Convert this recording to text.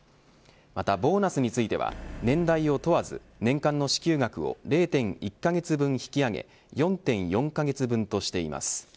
また、ボーナスについては年代を問わず年間の支給額を０．１カ月分引き上げ４．４カ月分としています。